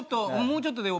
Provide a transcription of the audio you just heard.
もうちょっとで。